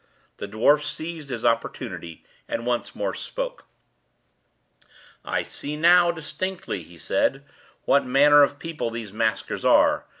The dwarf seized his opportunity, and once more spoke: "I now see distinctly," he said, "what manner of people these maskers are.